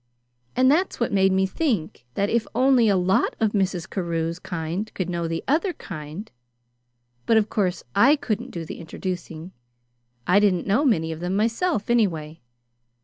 And that's what made me think that if only a lot of Mrs. Carew's kind could know the other kind but of course I couldn't do the introducing. I didn't know many of them myself, anyway.